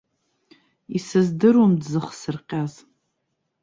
Исыздыруам дзыхсырҟьаз.